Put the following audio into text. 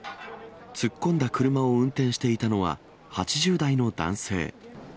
突っ込んだ車を運転していたのは、８０代の男性。